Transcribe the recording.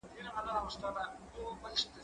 کېدای سي امادګي نيمګړی وي؟